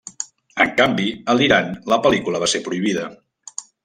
En canvi, a l'Iran la pel·lícula va ser prohibida.